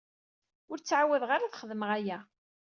Ur tɛawaḍeɣ ara ad xedmeɣ aya.